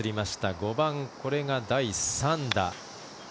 ５番、これが第３打。